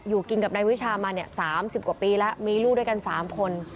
อยู่กินกับนายวิชามาเนี่ย๓๐กว่าปีแล้วมีลูกด้วยกัน๓คน